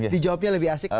dijawabnya lebih asik